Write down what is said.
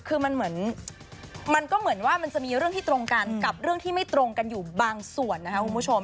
คือมันเหมือนมันก็เหมือนว่ามันจะมีเรื่องที่ตรงกันกับเรื่องที่ไม่ตรงกันอยู่บางส่วนนะคะคุณผู้ชม